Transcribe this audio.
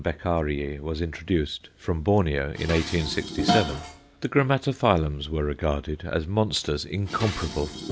Beccarii_ was introduced, from Borneo, in 1867, the Grammatophyllums were regarded as monsters incomparable.